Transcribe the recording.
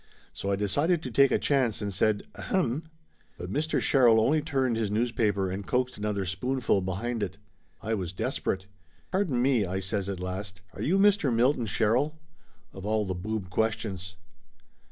So I decided to take a chance, and said "Ahem." But Mr. Sherrill only turned his newspaper and coaxed another spoonful behind it. I was desperate. "Pardon me," I says at last, "are you Mr. Milton Sherrill?" Of all the boob questions!